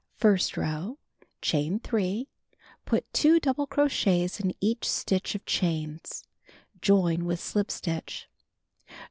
First row: Chain 3. Put 2 double crochets in each stitch of chains. Join with slip stitch.